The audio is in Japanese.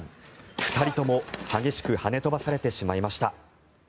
２人とも激しくはね飛ばされてしまいました。